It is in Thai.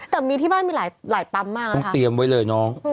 แต่มีที่บ้านมีหลายปั๊มมากต้องเตรียมไว้เลยน้อง